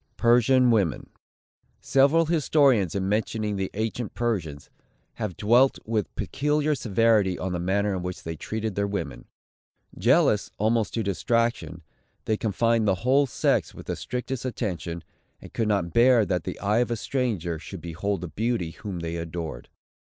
PERSIAN WOMEN. Several historians, in mentioning the ancient Persians, have dwelt with peculiar severity on the manner in which they treated their women. Jealous, almost to distraction, they confined the whole sex with the strictest attention, and could not bear that the eye of a stranger should behold the beauty whom they adored.